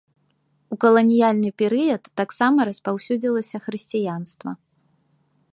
У каланіяльны перыяд таксама распаўсюдзілася хрысціянства.